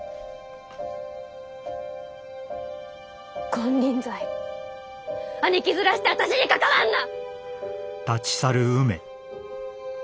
金輪際兄貴面して私に関わんな！